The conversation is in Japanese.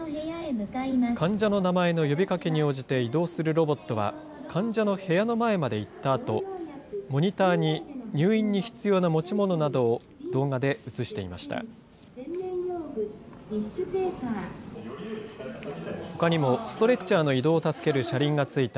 患者の名前の呼びかけに応じて移動するロボットは、患者の部屋の前まで行ったあと、モニターに入院に必要な持ち物などを動画で映していました。